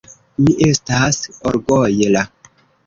Mi estas orgojla.